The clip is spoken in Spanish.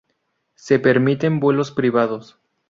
Se permiten vuelos privados.